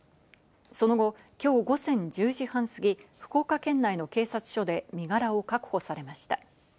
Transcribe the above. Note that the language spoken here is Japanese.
その後、今日午前１０時半過ぎ、福岡県内の警察署で身柄を確保されました。